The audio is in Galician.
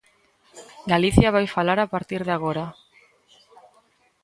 Galicia vai falar a partir de agora.